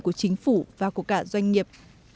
của chính phủ và của cả doanh nghiệp